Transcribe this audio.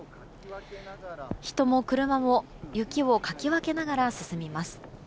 人も車も雪をかき分けながら進みます。